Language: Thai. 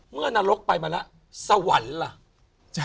นรกไปมาแล้วสวรรค์ล่ะ